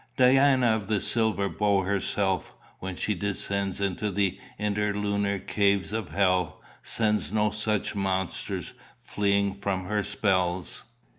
Diana of the silver bow herself, when she descends into the interlunar caves of hell, sends no such monsters fleeing from her spells.